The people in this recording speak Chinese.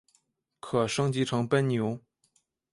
可升级成奔牛。